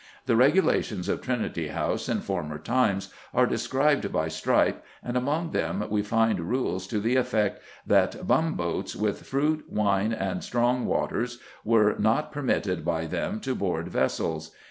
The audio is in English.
The regulations of Trinity House in former times are described by Strype, and among them we find rules to the effect that "Bumboats with fruit, wine, and strong waters were not permitted by them to board vessels.